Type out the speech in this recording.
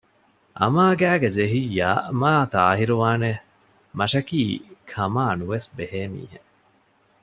އަމާ ގައިގައި ޖެހިއްޔާ މާތާހިރުވާނެއެވެ! މަށަކީ ކަމާ ނުވެސް ބެހޭ މީހެއް